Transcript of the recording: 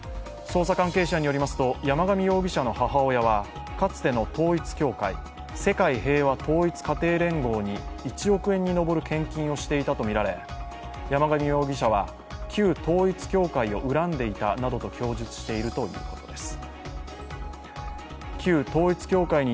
捜査関係者によりますと、山上容疑者の母親はかつての統一教会、世界平和統一家庭連合に１億円に上る献金をしていたとみられ山上容疑者は、旧統一教会を恨んでいたなどと供述しているということです。